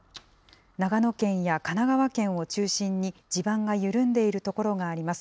長野県や神奈川県を中心に、地盤が緩んでいる所があります。